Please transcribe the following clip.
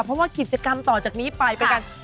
เพราะว่ากิจกรรมต่อจากนี้ไปเป็นการ